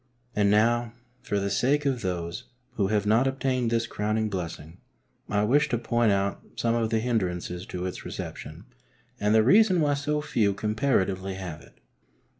And now, for the sake of those who have not obtained this crowning blessing, I wish to point out some of the hindrances to its reception and the reason why so few comparatively have it.